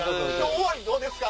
終わりにどうですか？